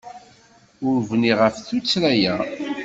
Ur bniɣ ɣef tuttra-a.